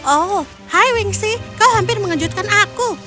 oh hai wingsy kau hampir mengejutkan aku